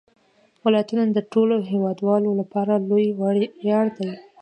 ولایتونه د ټولو هیوادوالو لپاره لوی ویاړ دی.